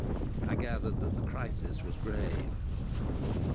I gathered that the crisis was grave.